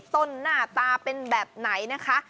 หน้าตาเป็นแบบไหนนะคะ